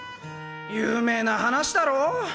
有名な話だろ！？